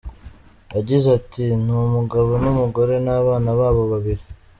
Yagize ati “Ni umugabo n’umugore n’abana babo babiri.